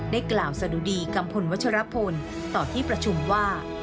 ได้กล่าวสะดุดีกัมพลวัชรพลต่อที่ประชุมว่า